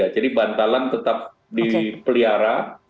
jadi bantalan tetap dipelihara